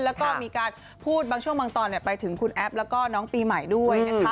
แล้วก็มีการพูดบางช่วงบางตอนไปถึงคุณแอฟแล้วก็น้องปีใหม่ด้วยนะคะ